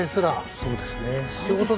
そうですよね。